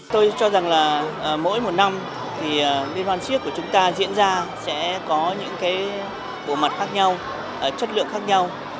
tôi cho rằng là mỗi một năm thì liên hoàn siết của chúng ta diễn ra sẽ có những bộ mặt khác nhau chất lượng khác nhau